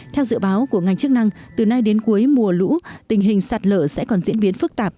theo dự báo của ngành chức năng từ nay đến cuối mùa lũ tình hình sạt lở sẽ còn diễn biến phức tạp